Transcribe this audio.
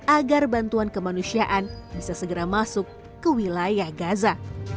agar bantuan kemanusiaan bisa segera masuk ke wilayah gaza